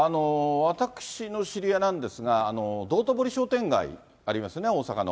私の知り合いなんですが、道頓堀商店街ありますよね、大阪の。